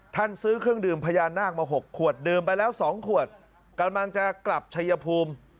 ซื้อเครื่องดื่มพญานาคมา๖ขวดดื่มไปแล้ว๒ขวดกำลังจะกลับชัยภูมิ